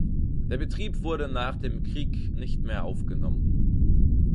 Der Betrieb wurde nach dem Krieg nicht mehr aufgenommen.